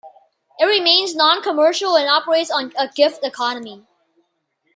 It remains non-commercial and operates on a gift economy.